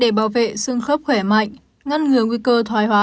sức khỏe sương khớp khỏe mạnh ngăn ngừa nguy cơ thoái hóa